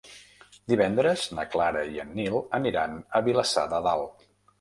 Divendres na Clara i en Nil aniran a Vilassar de Dalt.